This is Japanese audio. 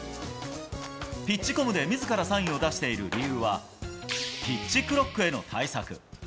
ピッチコムでみずからサインを出している理由は、ピッチクロックへの対策。